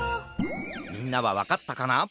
みんなはわかったかな？